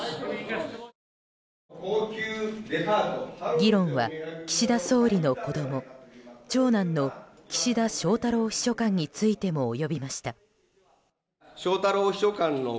議論は岸田総理の子供長男の岸田翔太郎秘書官についても及びました。